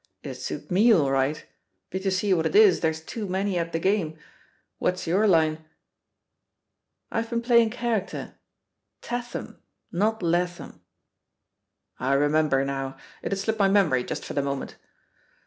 — ^it'd Suit me all right; but you see what it is, there's too many at the game. What's your line ?" "I've been playing character. *Tatham,' not •Latham' 1" "I remember now — ^it had slipped my memory (just for the moment."